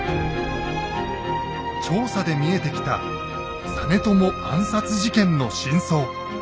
調査で見えてきた実朝暗殺事件の真相。